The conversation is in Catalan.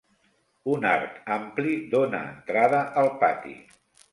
Un arc ampli dóna entrada al pati.